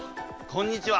こんにちは！